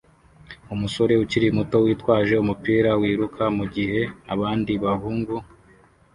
Umusore ukiri muto witwaje umupira wiruka mugihe abandi bahungu